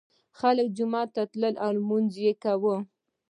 خلک جومات ته تلل او لمونځ یې کاوه.